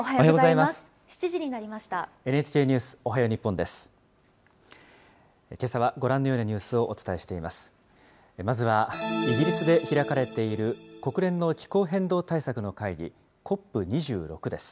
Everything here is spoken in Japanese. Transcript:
まずは、イギリスで開かれている国連の気候変動対策の会議、ＣＯＰ２６です。